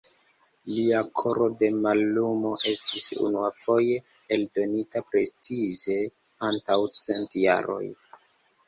Lia Koro de Mallumo estis unuafoje eldonita precize antaŭ cent jaroj.